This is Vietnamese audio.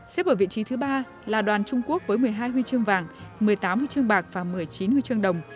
xếp ở vị trí thứ ba là đoàn trung quốc với một mươi hai huy chương vàng một mươi tám huy chương bạc và một mươi chín huy chương đồng